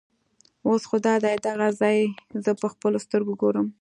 اوس خو دادی دغه ځای زه په خپلو سترګو ګورم.